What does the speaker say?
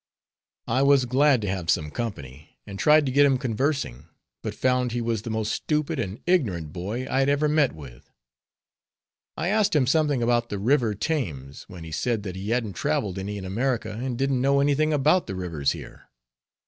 I was glad to have some company, and tried to get him conversing; but found he was the most stupid and ignorant boy I had ever met with. I asked him something about the river Thames; when he said that he hadn't traveled any in America and didn't know any thing about the rivers here.